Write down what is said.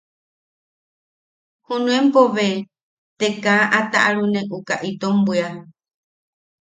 Junuenpo bee te kaa a taʼarune uka itom bwia.